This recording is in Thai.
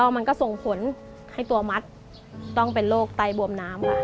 มันก็ส่งผลให้ตัวมัดต้องเป็นโรคไตบวมน้ำค่ะ